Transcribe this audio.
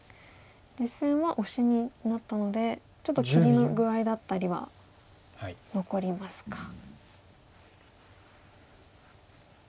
実戦はオシになったのでちょっと切りの具合だったりは残りますか。